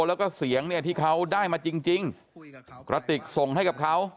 แล้วก็เสียงเนี่ยที่เขาได้มาจริงกระติกส่งให้กับเขา